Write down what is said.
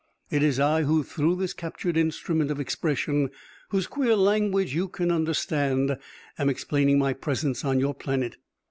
It is I, who through this captured instrument of expression, whose queer language you can understand, am explaining my presence on your planet.